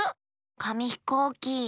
かみひこうき。